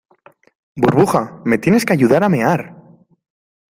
burbuja, me tienes que ayudar a mear.